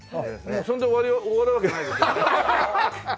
それで終わるわけないですよね？